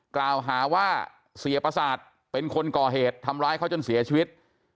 กล่าวหาว่าเสียประสาทเป็นคนก่อเหตุทำร้ายเขาจนเสียชีวิต